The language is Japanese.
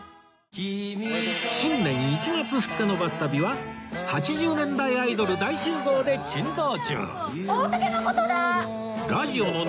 新年１月２日の『バス旅』は８０年代アイドル大集合で珍道中